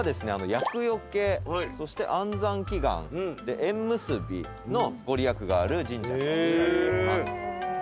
厄除けそして安産祈願縁結びの御利益がある神社と知られています。